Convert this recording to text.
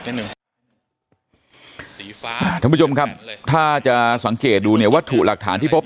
ทั้งผู้ชมครับถ้าจะสังเกตดูเนี่ยวัตถุหลักฐานที่พบ